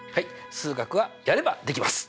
数学はやればできます！